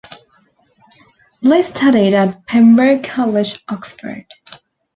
Bliss studied at Pembroke College, Oxford.